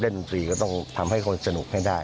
ดนตรีก็ต้องทำให้คนสนุกให้ได้